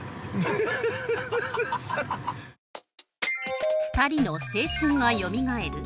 ◆ハハハハッ◆２人の青春がよみがえる